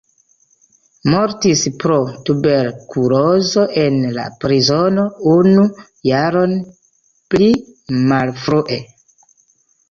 Mortis pro tuberkulozo en la prizono unu jaron pli malfrue.